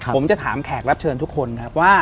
ผมจะถามแขกรับเชิญทุกคนครับว่า